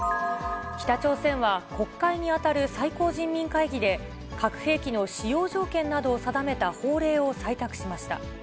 北朝鮮は国会に当たる最高人民会議で、核兵器の使用条件などを定めた法令を採択しました。